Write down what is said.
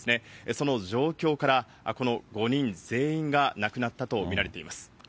その状況から、この５人全員が亡くなったと見られています。